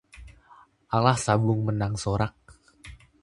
Alah sabung menang sorak